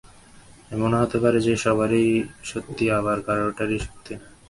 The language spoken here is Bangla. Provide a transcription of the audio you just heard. এমনও হতে পারে যে সবারটাই সত্যি আবার কারোরাটাই সত্যি না।